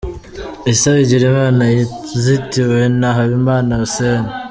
Issa Bigirimana yazitiwe na Habimana Hussein.